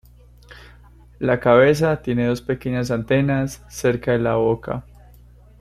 La cabeza tiene dos pequeñas antenas cerca de la boca.